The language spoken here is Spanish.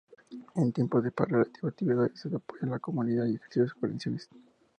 En tiempos de paz realiza actividades de apoyo a la comunidad y ejercicios operacionales.